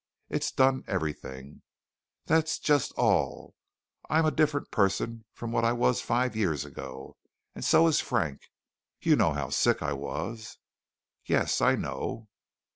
It's done everything that's just all. I'm a different person from what I was five years ago, and so is Frank. You know how sick I was?" "Yes, I know."